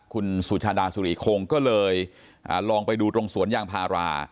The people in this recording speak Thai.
ผู้สื่อข่าวของเราคุณสุชาดาสุริคงก็เลยลองไปดูตรงสวนย่างพารา